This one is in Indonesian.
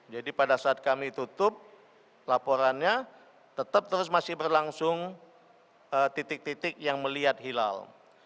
jadi pada saat kami tutup laporannya tetap terus masih berlangsung titik titik yang melihat hilal